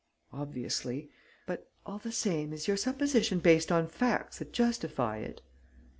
"Obviously. But, all the same, is your supposition based on facts that justify it?"